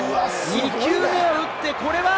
２球目を打ってこれは。